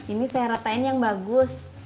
ini saya rasain yang bagus